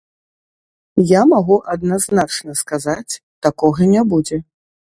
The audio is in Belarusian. Я магу адназначна сказаць, такога не будзе.